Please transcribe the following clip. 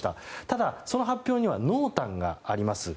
ただ、その発表には濃淡があります。